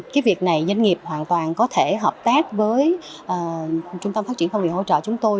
cái việc này doanh nghiệp hoàn toàn có thể hợp tác với trung tâm phát triển phong viện hỗ trợ chúng tôi